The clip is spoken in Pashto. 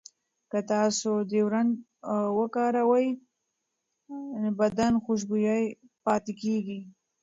که تاسو ډیوډرنټ وکاروئ، بدن خوشبویه پاتې کېږي.